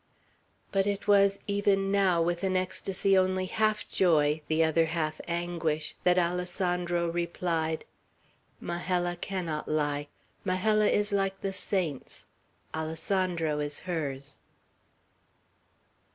But it was even now with an ecstasy only half joy, the other half anguish, that Alessandro replied: "Majella cannot lie. Majella is like the saints. Alessandro is hers."